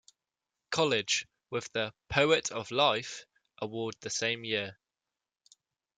College with the "Poet of Life" award the same year.